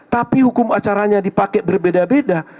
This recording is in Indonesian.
tapi hukum acaranya dipakai berbeda beda